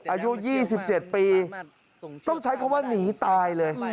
อายุยี่สิบเจ็ดปีต้องใช้คำว่าหนีตายเลย